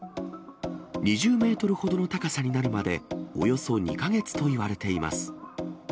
２０メートルほどの高さになるまで、およそ２か月といわれています。